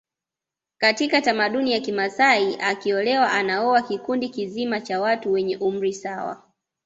Katika tamaduni ya Kimasai akiolewa anaoa kikundi kizima cha watu wenye umri sawa